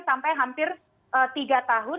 sampai hampir tiga tahun